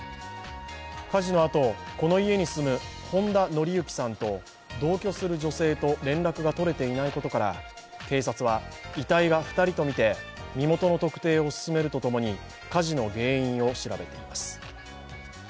火事のあとこの家に住む本田則行さんと同居する女性と連絡が取れていないことから、警察は遺体が２人と見て身元の特定を進めるとともに火事の原因を調べています。